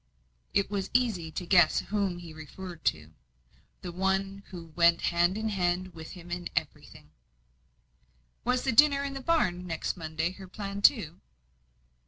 It was easy to guess whom he referred to the one who went hand in hand with him in everything. "Was the dinner in the barn, next Monday, her plan, too?"